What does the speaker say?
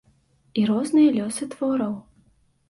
І розныя лёсы твораў.